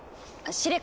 司令官。